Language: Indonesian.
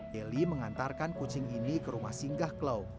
heli mengantarkan kucing ini ke rumah singgah klau